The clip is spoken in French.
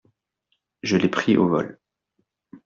Je l’ai pris au vol.